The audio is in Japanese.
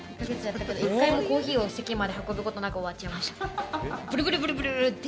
１ヶ月間コーヒーを１回も席まで運ぶことなく終わっちゃいました。